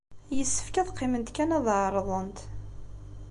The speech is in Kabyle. Yessefk ad qqiment kan ad ɛerrḍent.